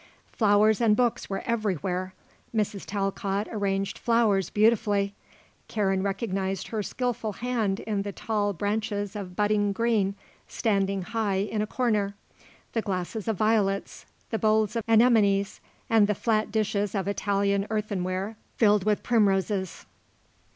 Flowers and books were everywhere. Mrs. Talcott arranged flowers beautifully; Karen recognized her skilful hand in the tall branches of budding green standing high in a corner, the glasses of violets, the bowls of anemones and the flat dishes of Italian earthenware filled with primroses.